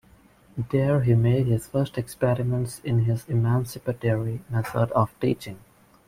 There he made his first experiments in his "emancipatory" method of teaching.